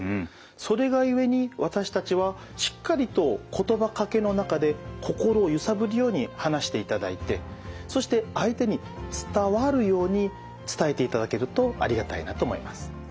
それが故に私たちはしっかりと言葉かけの中で心をゆさぶるように話していただいてそして相手に伝わるように伝えていただけるとありがたいなと思います。